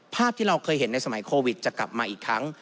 ภาพที่เราเคยเห็นในสมัยโควิดจะกลับมาอีกครั้ง